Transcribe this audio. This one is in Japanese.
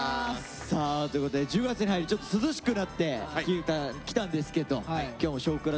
さあということで１０月に入りちょっと涼しくなってきたんですけど今日も「少クラ」